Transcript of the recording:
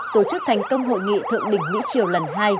tổ chức thành công hội nghị thượng đỉnh mỹ triều lần hai